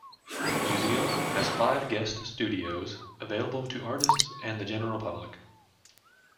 The museum has five guest studios available to artists and the general public.